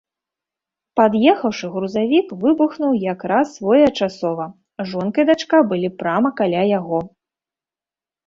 Пад'ехаўшы грузавік выбухнуў як раз своечасова, жонка і дачка былі прама каля яго.